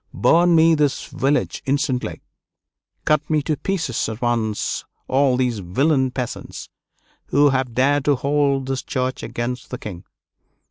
"Burn me this village instantly!" "Cut me to pieces at once all these villain peasants, who have dared to hold this church against the king!"